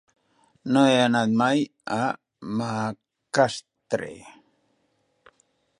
No he anat mai a Macastre.